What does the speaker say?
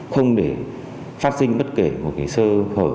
không để phát sinh bất kể một sơ hở